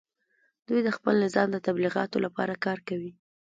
دوی د خپل نظام د تبلیغاتو لپاره کار کوي